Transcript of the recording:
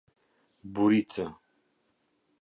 Buricë